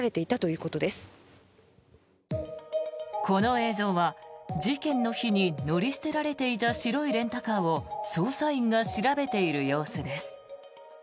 この映像は事件の日に乗り捨てられていた白いレンタカーを捜査員が調べている様子です。